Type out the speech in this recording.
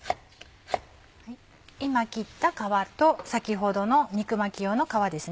今切った皮と先ほどの肉巻き用の皮ですね。